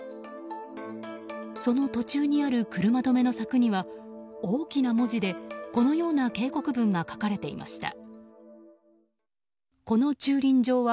その途中にある車止めの柵には大きな文字でこのような警告文が書かれていました。